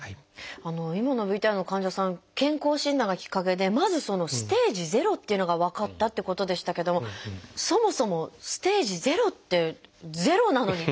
今のＶＴＲの患者さん健康診断がきっかけでまずステージ０っていうのが分かったってことでしたけどもそもそも「ステージ０」って「０」なのに。